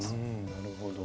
なるほど。